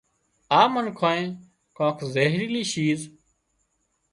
آ منکانئي ڪانڪ زهيريلي شيز